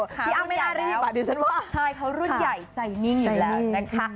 พี่อ้ำไม่ได้รีบดิฉันว่าใช่เขารุ่นใหญ่ใจนิ่งอยู่แล้วนะคะ